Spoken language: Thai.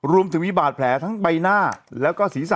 รวมถึงมีบาดแผลทั้งใบหน้าแล้วก็ศีรษะ